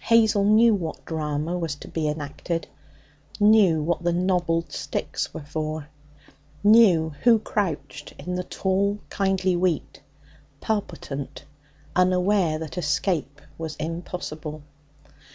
Hazel knew what drama was to be enacted; knew what the knobbled sticks were for; knew who crouched in the tall, kindly wheat, palpitant, unaware that escape was impossible.